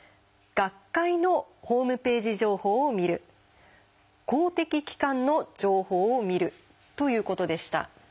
「学会のホームページ情報を見る」「公的機関の情報を見る」ということでした。